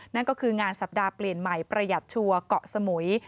นั่นก็คืองานสัปดาห์เปลี่ยนใหม่ประหยัดชัวร์เกาะสมุย